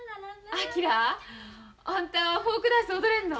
昭あんたフォークダンス踊れんの？